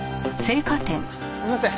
すみません。